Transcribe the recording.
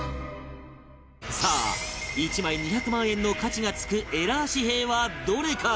さあ１枚２００万円の価値が付くエラー紙幣はどれか？